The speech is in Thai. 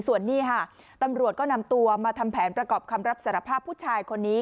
ส่วนนี้ค่ะตำรวจก็นำตัวมาทำแผนประกอบคำรับสารภาพผู้ชายคนนี้